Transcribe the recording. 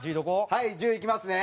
はい１０位いきますね。